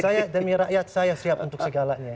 saya demi rakyat saya siap untuk segalanya